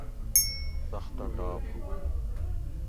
سختہ ٹاپ ہُو